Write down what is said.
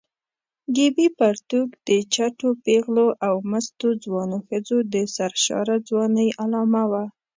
ګیبي پرتوګ د چټو پېغلو او مستو ځوانو ښځو د سرشاره ځوانۍ علامه وه.